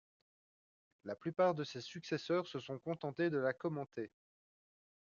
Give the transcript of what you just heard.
La plupart de ses successeurs se sont contentés de la commenter.